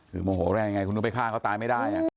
คือโมโหแรงไงคุณก็ไปฆ่าเขาตายไม่ได้